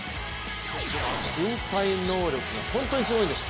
身体能力が本当にすごいんです。